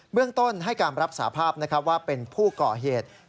เรื่องต้นให้การรับสาภาพว่าเป็นผู้ก่อเหตุ